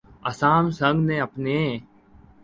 اسام سنگ نے اپنے